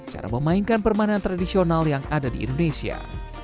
cara memainkan permainan tradisional yang ada di indonesia